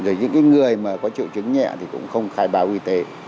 rồi những người mà có triệu chứng nhẹ thì cũng không khai báo y tế